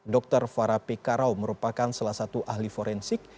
dr farah p karau merupakan salah satu ahli forensik